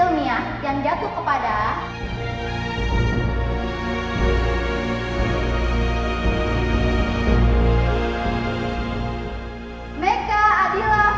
lauenti segalanya berpengatuhan sama masyarakat